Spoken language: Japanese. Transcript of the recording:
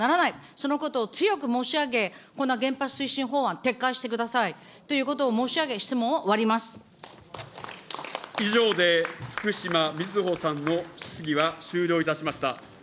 そのことを強く申し上げ、こんな原発推進法案、撤回してください。ということを申し上げ、質問を終以上で福島みずほさんの質疑